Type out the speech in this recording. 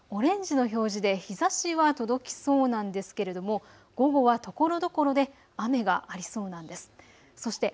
オレンジの表示で日ざしは届きそうなんですけれども午後はところどころで雨がありそうなんです。